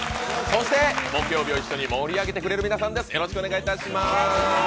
そして木曜日を一緒に盛り上げてくれる皆さんです。